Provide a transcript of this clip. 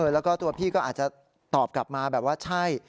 แล้วก็ตัวพี่ก็อาจจะตอบกลับมาแบบว่าใช่